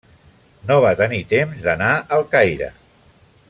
No va tenir temps d'anar al Caire.